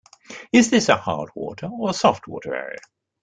Is this a hard water or a soft water area?